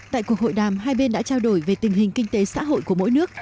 tại cuộc hội đàm hai bên đã trao đổi về tình hình kinh tế xã hội của mỗi nước